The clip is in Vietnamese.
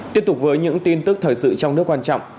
tiếp tục với những tin tức thời sự trong nước quan trọng